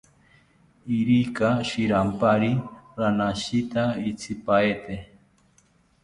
Irika shirampari ranashita intzipaete